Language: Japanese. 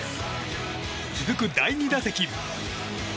続く第２打席。